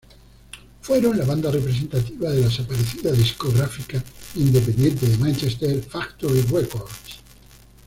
Fueron la banda representativa de la desaparecida discográfica independiente de Manchester, Factory Records.